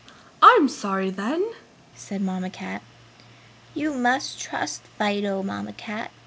"I'm sorry, then," said Mamma Cat. "You must trust Fido, Mamma Cat!"